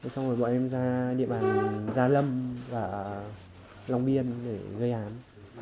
xong rồi bọn em ra địa bàn gia lâm và long biên để gây án